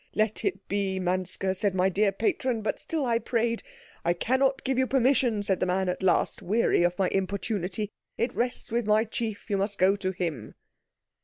'Let it be, Manske,' said my dear patron, but still I prayed. 'I cannot give you permission,' said the man at last, weary of my importunity, 'it rests with my chief. You must go to him.'"